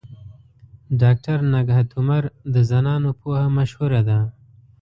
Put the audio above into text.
ډاکټر نگهت عمر د زنانو پوهه مشهوره ده.